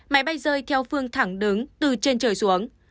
máy bay rơi theo phương thẳng đứng từ trên trời xuống